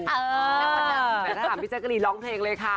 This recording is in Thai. แต่ถ้าถามพี่แจ๊กรีนร้องเพลงเลยค่ะ